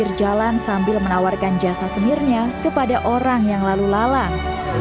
saya mengajak payung